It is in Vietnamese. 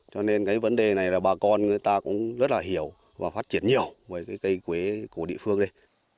cho nên cái vấn đề này là bà con người ta cũng rất là hiểu và phát triển nhiều với cây quế của địa phương đây